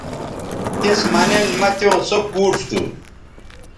تس مہ نن مہ تیوں سو پوڇ تھو